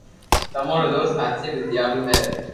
تمو رو دوست ھاچيلي ديالو ھي